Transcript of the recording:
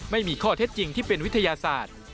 ไม่มีข้อเท็จจริงที่เป็นวิทยาศาสตร์